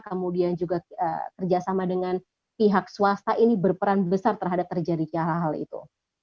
kemudian juga kerjasama dengan pihak swasta ini berperan besar terhadap terjadi hal hal itu